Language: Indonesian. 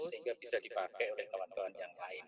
sehingga bisa dipakai oleh kawan kawan yang lain